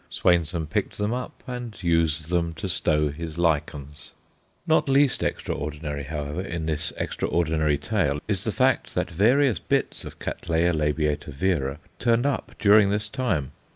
Swainson picked them up, and used them to stow his lichens. Not least extraordinary, however, in this extraordinary tale is the fact that various bits of C. l. vera turned up during this time.